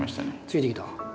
ついてきた。